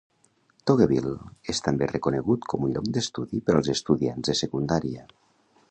Togoville és també reconegut com un lloc d'estudi per als estudiants de secundària.